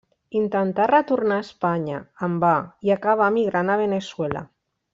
Intentà retornar a Espanya, en va, i acabà emigrant a Veneçuela.